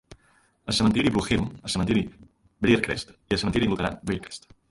El cementiri Blue Hill, el cementiri Briercrest i el cementiri luterà Briercrest.